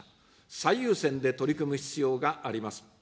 最優先で取り組む必要があります。